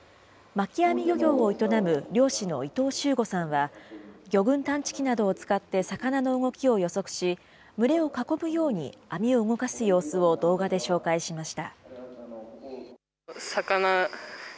巻き網漁業を営む漁師の伊東秀悟さんは、魚群探知機などを使って魚の動きを予測し、群れを囲むように網を動かす様子を動画で紹介しました。